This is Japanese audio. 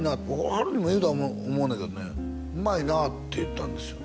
波瑠にも言うた思うねんけどね「うまいな」って言ったんですよ